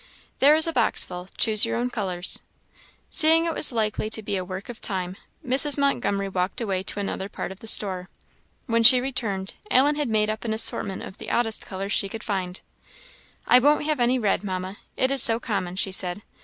"There is a box full choose your own colours." Seeing it was likely to be a work of time, Mrs. Montgomery walked away to another part of the store. When she returned, Ellen had made up an assortment of the oddest colours she could find. "I won't have any red, Mamma, it is so common," she said.